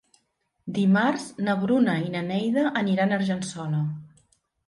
Dimarts na Bruna i na Neida aniran a Argençola.